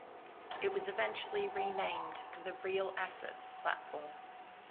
It was eventually renamed to the "Real Assets" platform.